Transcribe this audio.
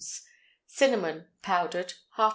Cinnamon, powdered ½ lb.